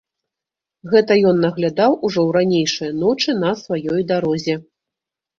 Гэта ён наглядаў ужо ў ранейшыя ночы на сваёй дарозе.